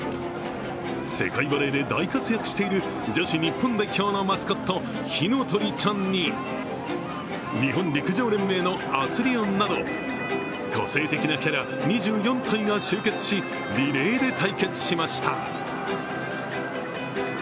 世界バレーで大活躍している女子日本代表のマスコット・火の鳥ちゃんに日本陸上連盟のアスリオンなど個性的なキャラ２４体が集結しリレーで対決しました。